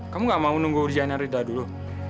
kamu nggak mau nunggu ujian arida dulu